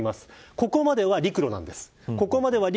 ここまでは陸路なんです。